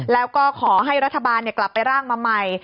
แล้วก็ขอให้รัฐบาลกลับไปร่างมาใหม่